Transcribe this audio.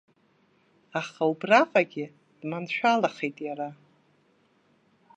Аха убраҟагь дманшәалахеит иара.